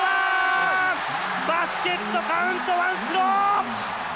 バスケットカウントワンスロー！